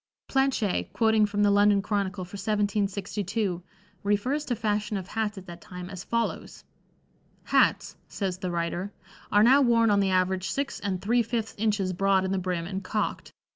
Planché, quoting from the London Chronicle for 1762, refers to fashion of hats at that time as follows: "Hats," says the writer, "are now worn on the average six and three fifths inches broad in the brim and cocked.